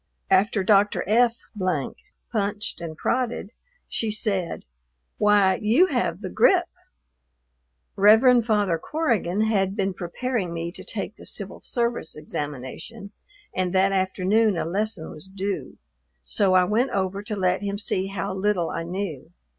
After Dr. F punched and prodded, she said, "Why, you have the grippe." Rev. Father Corrigan had been preparing me to take the Civil Service examination, and that afternoon a lesson was due, so I went over to let him see how little I knew.